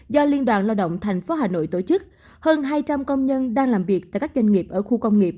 do liên đoàn lao động tp hà nội tổ chức hơn hai trăm linh công nhân đang làm việc tại các doanh nghiệp ở khu công nghiệp